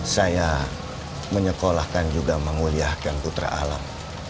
saya menyekolahkan juga menguliahkan putra alam